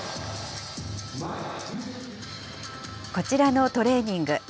こちらのトレーニング。